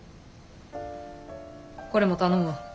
これも頼むわ。